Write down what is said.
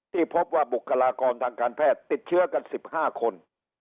ที่พบว่าบุคลากรทางการแพทย์ติดเชื้อกัน๑๕คน